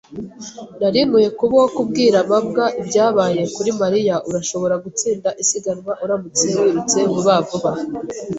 Nari nkwiye kuba uwo kubwira mabwa ibyabaye kuri Mariya. Urashobora gutsinda isiganwa uramutse wirutse vuba vuba.